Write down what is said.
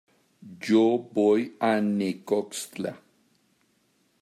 yo voy a Necoxtla.